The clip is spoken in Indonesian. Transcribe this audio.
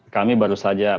kami baru saja benar